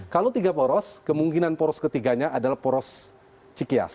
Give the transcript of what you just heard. kalau tiga poros kemungkinan poros ketiganya adalah poros cikias